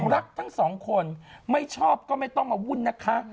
รักทั้งสองคนไม่ชอบก็ไม่ต้องมาวุ่นนะคะ